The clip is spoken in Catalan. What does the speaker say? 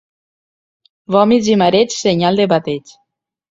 Vòmits i mareig, senyal de bateig.